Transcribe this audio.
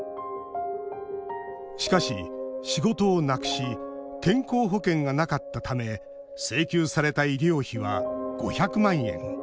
しかし、仕事をなくし健康保険がなかったため請求された医療費は５００万円。